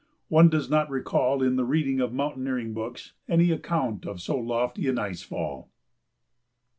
One does not recall in the reading of mountaineering books any account of so lofty an ice fall.